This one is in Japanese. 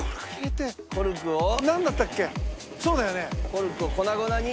コルクを粉々に。